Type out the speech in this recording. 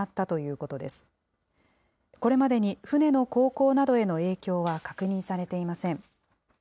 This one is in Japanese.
これまでに船の航行などへの影響は確認されていません。